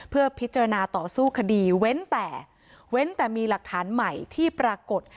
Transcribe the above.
เพื่อพิจารณาต่อสู้คดีเว้นแต่เว้นแต่มีหลักฐานใหม่ที่ปรากฏ